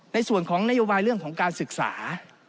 ในส่วนของนโยบายเรื่องของการศึกษา